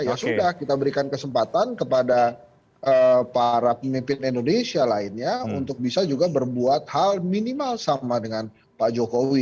ya sudah kita berikan kesempatan kepada para pemimpin indonesia lainnya untuk bisa juga berbuat hal minimal sama dengan pak jokowi